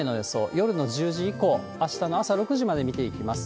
夜の１０時以降、あしたの朝６時まで見ていきます。